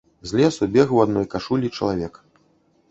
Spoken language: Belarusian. З лесу бег у адной кашулі чалавек.